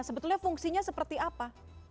sebetulnya fungsinya seperti apa